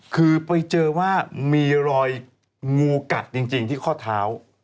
คือไปเจอว่ามีรอยงูกัดจริงที่ข้อเท้า